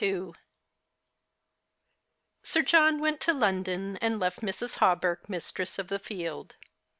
t^IPi JOHN went to London, and left Mrs. Hawberk mistress of the field.